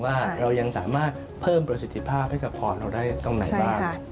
ว่าเรายังสามารถเพิ่มประสิทธิภาพให้กับพรเราได้ตรงไหนบ้าง